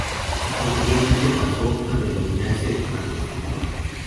Posteriormente pasó a denominarse "La Constructora".